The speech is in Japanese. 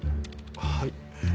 はい。